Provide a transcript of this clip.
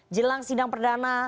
jelang sidang perdana